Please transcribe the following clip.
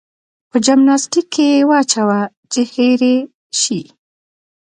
په جمناستيک کې يې واچوه چې هېر يې شي.